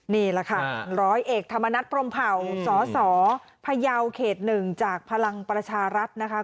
นี่แหละค่ะร้อยเอกธรรมนัฐพรมเผ่าสสพยาวเขต๑จากพลังประชารัฐนะคะ